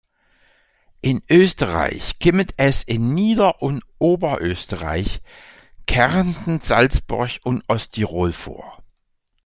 In Österreich kommt es in Nieder- und Oberösterreich, Kärnten, Salzburg und Osttirol vor.